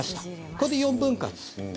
これで４分割。